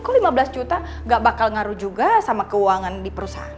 kok lima belas juta gak bakal ngaruh juga sama keuangan di perusahaan